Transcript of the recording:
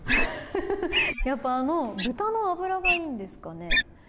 やっぱあの豚の脂がいいんですかね。